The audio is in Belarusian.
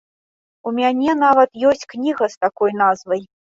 У мяне нават ёсць кніга з такой назвай.